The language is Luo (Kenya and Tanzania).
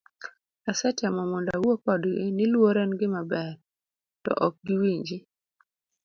Asetemo mondo awuo kodgi, ni luor en gima ber, to ok giwinji.